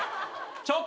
ちょっと！